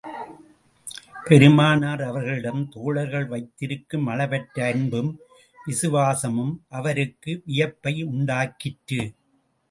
பெருமானார் அவர்களிடம் தோழர்கள் வைத்திருக்கும் அளவற்ற அன்பும் விசுவாசமும் அவருக்கு வியப்பை உண்டாக்கிற்று.